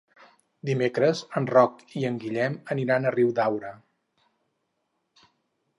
Dimecres en Roc i en Guillem aniran a Riudaura.